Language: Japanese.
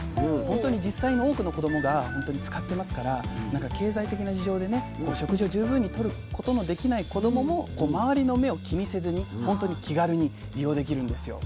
本当に実際に多くの子どもが使ってますから経済的な事情でね食事を十分にとることのできない子どもも周りの目を気にせずに本当に気軽に利用できるんですよ。